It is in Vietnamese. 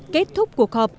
kết thúc cuộc họp